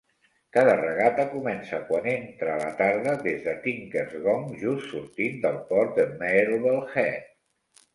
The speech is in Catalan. Cada regata comença quan entra la tarda, des de "Tinkers Gong", just sortint del port de Marblehead.